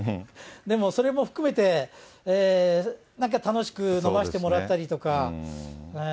でもそれも含めて、なんか楽しく飲ませてもらったりとか。